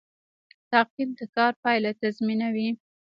تعقیب د کار پایله تضمینوي